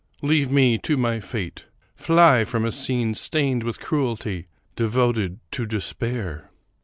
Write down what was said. Leave me to my fate. Fly from a scene stained with cruelty, devoted to despair."